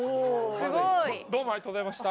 すごい！どうもありがとうございました。